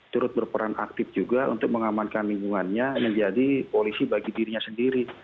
turut berperan aktif juga untuk mengamankan lingkungannya menjadi polisi bagi dirinya sendiri